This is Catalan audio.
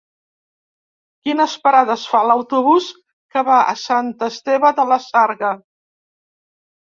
Quines parades fa l'autobús que va a Sant Esteve de la Sarga?